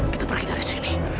kita pergi dari sini